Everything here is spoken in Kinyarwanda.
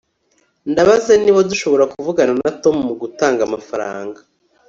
ndabaza niba dushobora kuvugana na tom mugutanga amafaranga